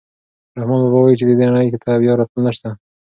رحمان بابا وايي چې دې نړۍ ته بیا راتلل نشته.